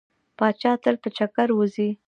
پاچا تل په چکر وځي.